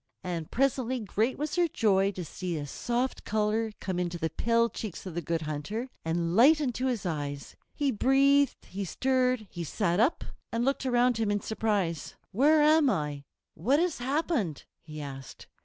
And presently great was their joy to see a soft color come into the pale cheeks of the Good Hunter, and light into his eyes. He breathed, he stirred, he sat up and looked around him in surprise. "Where am I? What has happened?" he asked.